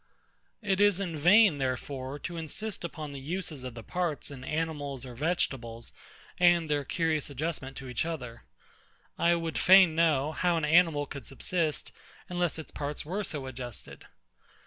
It is in vain, therefore, to insist upon the uses of the parts in animals or vegetables, and their curious adjustment to each other. I would fain know, how an animal could subsist, unless its parts were so adjusted?